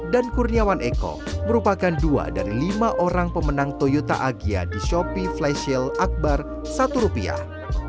dan kurniawan eko merupakan dua dari lima orang pemenang toyota agya di shopee flash shield akbar satu rupiah